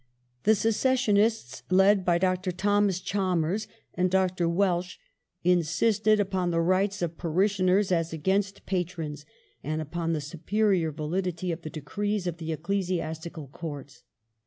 The secessionists, led by Dr. Thomas Chalmers and Dr. Welsh, insisted upon the rights of parishionqi s as against patrons, and upon the superior validity of the decrees of the Ecclesiastical Courts.